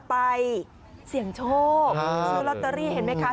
ไปเสี่ยงโชคซื้อลอตเตอรี่เห็นไหมคะ